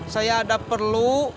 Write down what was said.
saya ada perlu